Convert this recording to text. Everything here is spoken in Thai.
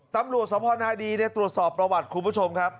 ตำรวจสภนาดีตรวจสอบประวัติคุณผู้ชมครับ